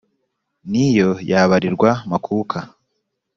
ni yo yabarirwa makuka